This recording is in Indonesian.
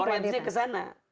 orientasinya ke sana